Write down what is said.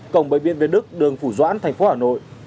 cổng bệnh viện việt đức đường phủ doãn thành phố hà nội